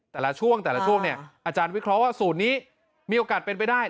แต่ละช่วงอาจารย์วิเคราะห์ว่าสูตรนี้มีโอกาสเป็นไปได้